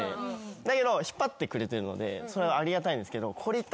だけど引っ張ってくれてるのでそれはありがたいんですけどこれ言ったときに。